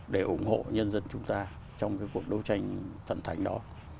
để ủng hộ nhân dân chúng ta trong cái cuộc đấu tranh thần thánh đó